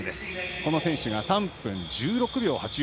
この選手が３分１６秒８４。